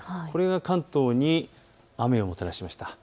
これが関東に雨をもたらしました。